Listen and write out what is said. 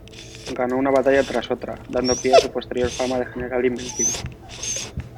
Ganó una batalla tras otra, dando pie a su posterior fama de general invencible.